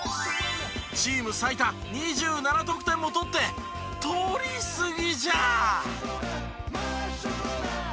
チーム最多２７得点も取って取りすぎじゃ！